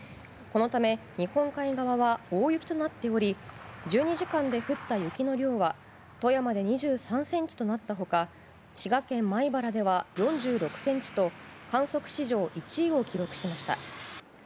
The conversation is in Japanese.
このため、日本海側は大雪となっており１２時間で降った雪の量は富山で２３ｃｍとなった他滋賀県米原では４６ｃｍと観測史上１位を記録しました。